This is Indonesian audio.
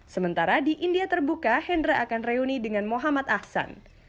sementara di india terbuka hendra akan reuni dengan muhammad ahsan